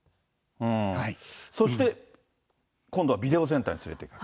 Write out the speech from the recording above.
そして今度はビデオセンターに連れていく。